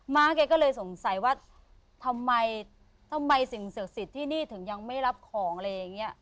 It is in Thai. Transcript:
ม้าแกก็เลยสงสัยว่าทำไมสิ่งศึกษิตที่นี่ถึงยังไม่รับของอะไรอย่างเงี้ย